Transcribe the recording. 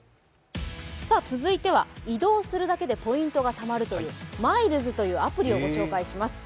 続いては移動するだけでポイントがたまるというＭｉｌｅｓというアプリをご紹介します